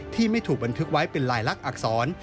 ที่ไม่ถูกบันทึกไว้เป็นลายลักษร